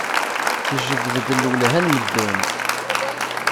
Tjebbed-d lwelha n medden.